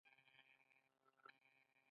آریایان د خیبر درې له لارې هند ته ننوتل.